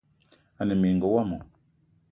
Ane mininga womo